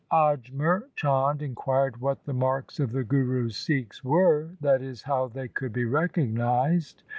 Ajmer Chand inquired what the marks of the Guru's Sikhs were, that is, how they could be recognized.